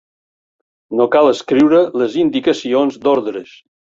No cal escriure les indicacions d'ordres.